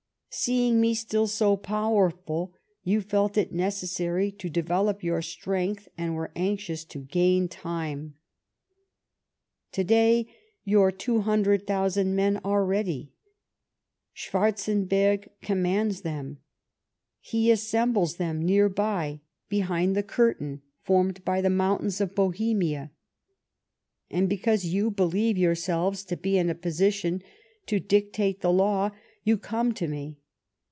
Seeing me still so powerful, you felt it necessary to develop your strength, and were anxious to ^uin time. " To day, your 200,000 men are ready. Schwarzeiiberg commands them. He assembles them, near by, behind the curtain formed by the mountains of Bohemia. And, because you believe yourselves to be in a position to dictate the law, you come to me.